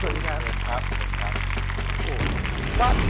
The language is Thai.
ตอนนี้เจ้าเบาแล้วนะเนี่ย